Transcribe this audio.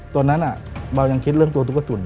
ตอนนั้นเบายังคิดเรื่องตัวตุ๊กจุ่น